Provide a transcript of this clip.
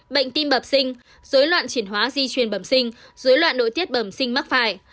bệnh tim bẩm sinh dối loạn chuyển hóa di truyền bẩm sinh dối loạn nội tiết bẩm sinh mắc phải